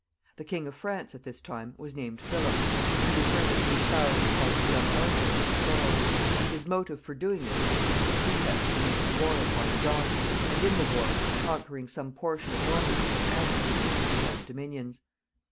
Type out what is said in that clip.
The King of France at this time was named Philip. He determined to espouse the cause of young Arthur in this quarrel. His motive for doing this was to have a pretext for making war upon John, and, in the war, of conquering some portion of Normandy and annexing it to his own dominions.